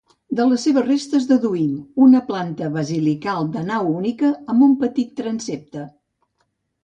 De les seves restes deduïm una planta basilical de nau única amb un petit transsepte.